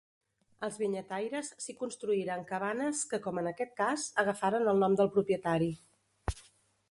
Els vinyataires s'hi construïren cabanes que com en aquest cas, agafaren el nom del propietari.